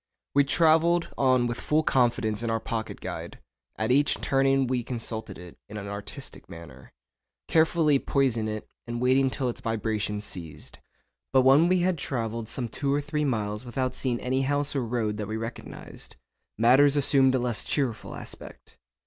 We travelled on with full confidence in our pocket guide; at each turning we consulted it in an artistic manner, carefully poising it and waiting till its vibrations ceased. But when we had travelled some two or three miles without seeing any house or road that we recognised, matters assumed a less cheerful aspect.